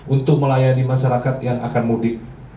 untuk melayani masyarakat yang akan mudik